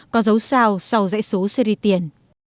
có dấu sao sau dãy số seri tiền